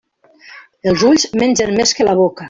Els ulls mengen més que la boca.